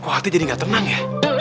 atau jadi tenang ya